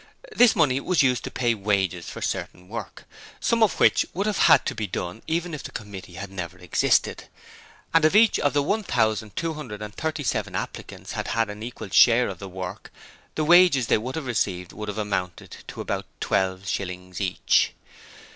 This money was used to pay wages for certain work some of which would have had to be done even if the committee had never existed and if each of the 1,237 applicants had had an equal share of the work, the wages they would have received would have amounted to about twelve shillings each.